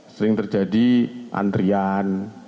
sering terjadi antrian